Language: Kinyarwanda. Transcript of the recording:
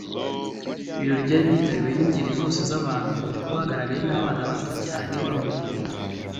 Ibirori byari byitabiriwe n’ingeri zose z’abantu dore ko hagaragaye abana bato cyane bamubyiniye